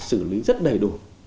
sử lý rất đầy đủ